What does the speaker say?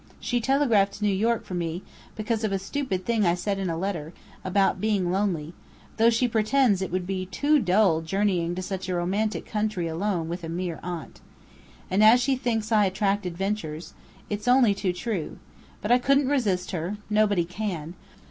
She telegraphed to New York for me, because of a stupid thing I said in a letter, about being lonely: though she pretends it would be too dull journeying to such a romantic country alone with a mere aunt. And she thinks I 'attract adventures.' It's only too true. But I couldn't resist her. Nobody can.